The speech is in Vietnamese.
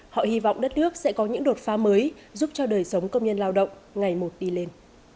họ hy vọng đất nước sẽ có những đột phá mới giúp cho đời sống công nhân lao động ngày một đi lên